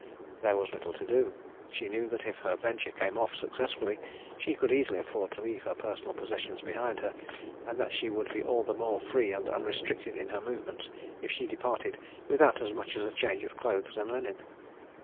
There was little to do. She knew that if her venture came off successfully, she could easily afford to leave her personal possessions behind her, and that she would be all the more free and unrestricted in her movements if she departed without as much as a change of clothes and linen.